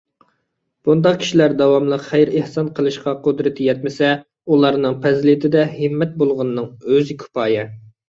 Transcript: بۇنداق كىشىلەر داۋاملىق خەير - ئېھسان قىلىشىغا قۇدرىتى يەتمىسە، ئۇلارنىڭ پەزىلىتىدە ھىممەت بولغىنىنىڭ ئۆزى كۇپايە.